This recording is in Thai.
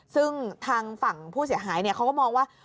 ซึ่งทางฝั่งผู้เสียหายเขาก็มองว่า